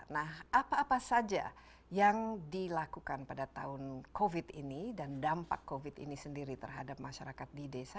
nah apa apa saja yang dilakukan pada tahun covid ini dan dampak covid ini sendiri terhadap masyarakat di desa